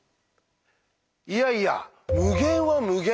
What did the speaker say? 「いやいや無限は無限。